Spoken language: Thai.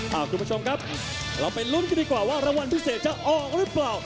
คุณผู้ชมครับเราไปลุ้นกันดีกว่าว่ารางวัลพิเศษจะออกหรือเปล่า